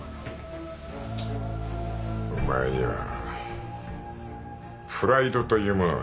お前にはプライドというものがないのか？